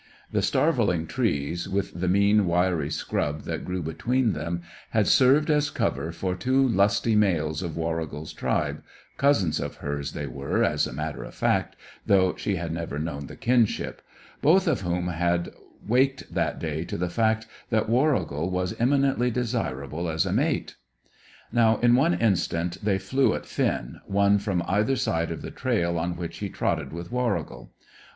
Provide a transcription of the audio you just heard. The starveling trees, with the mean, wiry scrub that grew between them, had served as cover for two lusty males of Warrigal's tribe cousins of hers they were, as a matter of fact, though she had never known the kinship both of whom had waked that day to the fact that Warrigal was eminently desirable as a mate. Now, in one instant, they both flew at Finn, one from either side of the trail on which he trotted with Warrigal.